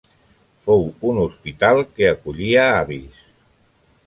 Fou un hospital que acollia avis.